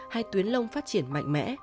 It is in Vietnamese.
hay tuyến lông phát triển mạnh mẽ